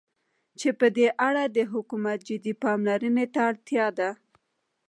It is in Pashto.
چې په دې اړه د حكومت جدي پاملرنې ته اړتيا ده.